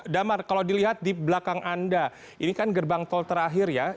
damar kalau dilihat di belakang anda ini kan gerbang tol terakhir ya